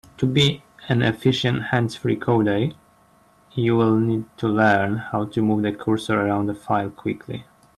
To be an efficient hands-free coder, you'll need to learn how to move the cursor around a file quickly.